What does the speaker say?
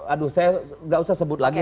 aduh saya nggak usah sebut lagi